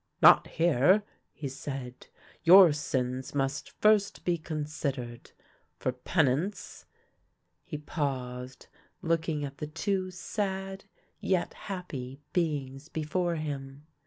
" Not here," he said. " Your sins must first be con sidered. For penance —" He paused, looking at the two sad yet happy beings before him.